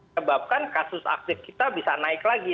sebabkan kasus aktif kita bisa naik lagi